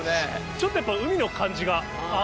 ちょっとやっぱ海の感じが。